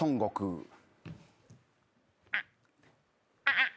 あっ。